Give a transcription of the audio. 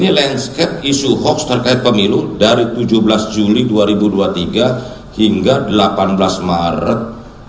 di mana satu sembilan ratus tujuh puluh tujuh hoax terkait pemilu dari tujuh belas juli dua ribu dua puluh tiga hingga delapan belas maret dua ribu dua puluh empat